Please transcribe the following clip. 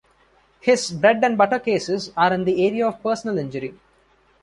His "bread and butter" cases are in the area of personal injury.